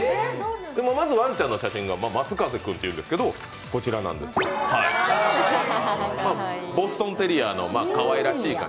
まずワンちゃんの写真が松風君っていうんですけどボストンテリアのかわいらしい感じ。